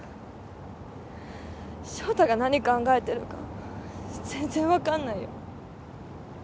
翔太が何考えてるか全然分かんないよ。